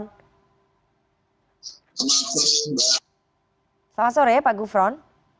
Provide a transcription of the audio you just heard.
selamat sore pak gufron